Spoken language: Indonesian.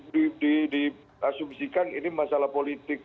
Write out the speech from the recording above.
di asumsikan ini masalah politik